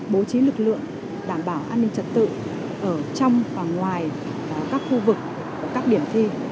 bố trí lực lượng đảm bảo an ninh trật tự ở trong và ngoài các khu vực các điểm thi